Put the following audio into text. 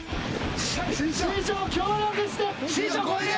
師匠協力して！